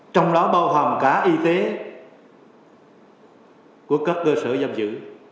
trong đó bao gồm cả y tế của các cơ sở giam giữ